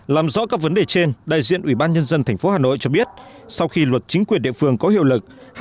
làm rõ các vấn đề trên đại diện ubnd tp hà nội cho biết sau khi luật chính quyền địa phương có hiệu lực